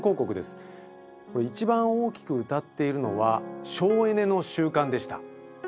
一番大きくうたっているのは省エネの習慣でした。